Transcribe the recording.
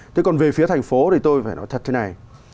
thế còn về phía thành phố thì tôi phải nói thật thế này